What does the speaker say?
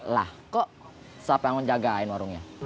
wah kok siapa yang mau jagain warungnya